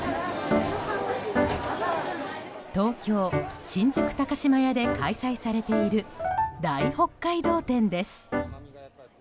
東京・新宿高島屋で開催されている「大北海道展」です。